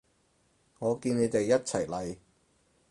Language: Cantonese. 我見你哋一齊嚟